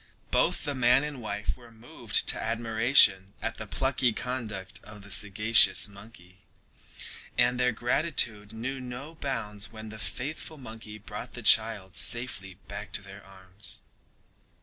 Both the man and wife were moved to admiration at the plucky conduct of the sagacious monkey, and their gratitude knew no bounds when the faithful monkey brought the child safely back to their arms.